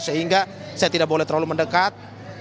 sehingga saya tidak boleh terlalu mendekat